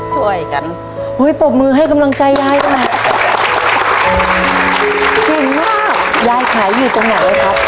ทับผลไม้เยอะเห็นยายบ่นบอกว่าเป็นยังไงครับ